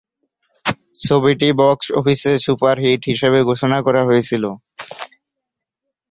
ছবিটি বক্স অফিসে সুপারহিট হিসাবে ঘোষণা করা হয়েছিল।